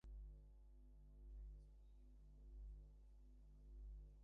ভুবন মুখুজ্যের বাড়ি রানুর দিদির বিবাহ শেষ হইয়া গিয়াছে বটে।